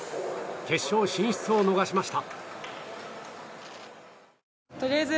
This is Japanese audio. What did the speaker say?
決勝進出を逃しました。